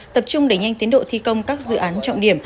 tập trung đẩy nhanh tiến độ thi công các dự án trọng điểm